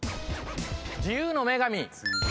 自由の女神。